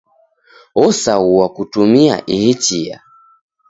Osaghua kutumia ihi chia.